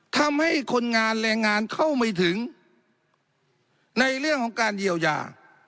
ทำให้คนงานแรงงานเข้าไม่ถึงในเรื่องของการเยียวยา